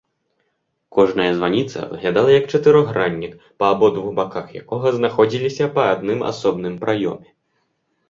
Кожная званіца выглядала як чатырохграннік, па абодвух баках якога знаходзіліся па адным асобным праёме.